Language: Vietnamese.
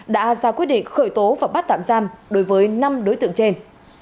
đã ra quyết định khởi tố và bắt tạm giam đối với năm đối tượng trên